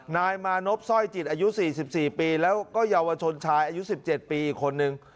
นายมานพสร้อยจิตอายุ๔๔ปีแล้วก็เยาวชนชายอายุ๑๗ปีอีกคนนึง